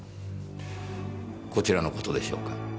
こちらの事でしょうか。